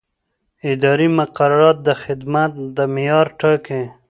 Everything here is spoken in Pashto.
اداري مقررات د خدمت د معیار ټاکي.